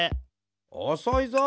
おそいぞ。